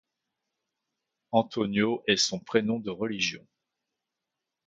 Antonio est son prénom de religion.